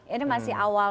ini masih awal